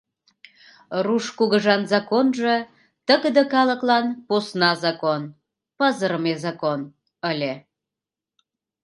Руш кугыжан законжо тыгыде калыклан посна закон, пызырыме закон, ыле.